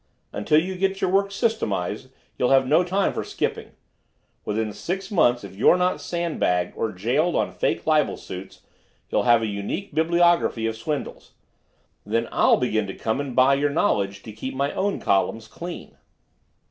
"Until you get your work systematized you'll have no time for skipping. Within six months, if you're not sandbagged or jailed on fake libel suits, you'll have a unique bibliography of swindles. Then I'll begin to come and buy your knowledge to keep my own columns clean."